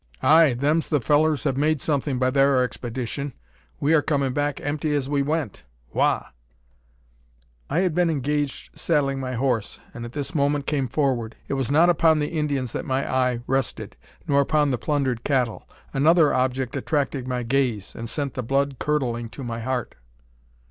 "Ay, them's the fellows have made something by thar expedition. We are comin' back empty as we went. Wagh!" I had been engaged in saddling my horse, and at this moment came forward. It was not upon the Indians that my eye rested, nor upon the plundered cattle. Another object attracted my gaze, and sent the blood curdling to my heart.